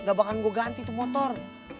gak bakalan gue ganti tuh motor